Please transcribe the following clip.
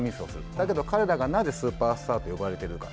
だけど彼らがなぜスーパースターと呼ばれているのか。